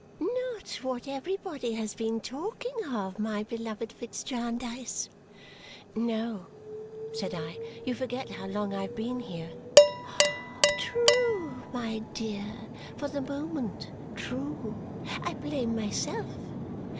"Not what everybody has been talking of, my beloved Fitz Jarndyce!" "No," said I. "You forget how long I have been here." "True! My dear, for the moment true. I blame myself.